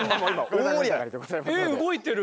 え動いてる！